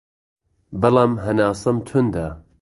بەڵام هەناسەم توندە